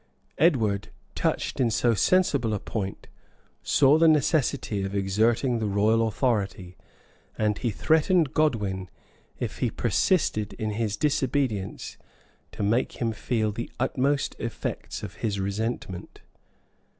[*] Edward, touched in so sensible a point, saw the necessity of exerting the royal authority; and he threatened Godwin, if he persisted in his disobedience, to make him feel the utmost effects of his resentment.